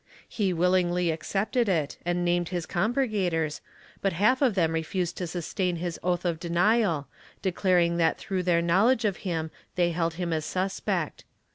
He willingly accepted it and named his compurgators, but half of them refused to sustain his oath of denial, declaring that through their knowledge of him they held him as suspect.